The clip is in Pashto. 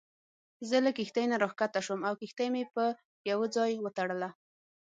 زه له کښتۍ نه راکښته شوم او کښتۍ مې په یوه ځای وتړله.